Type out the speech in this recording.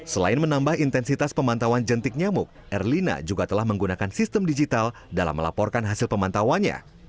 selain menambah intensitas pemantauan jentik nyamuk erlina juga telah menggunakan sistem digital dalam melaporkan hasil pemantauannya